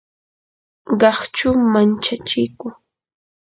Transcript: qaqchu manchachiku